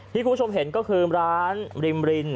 คุณผู้ชมเห็นก็คือร้านริมริน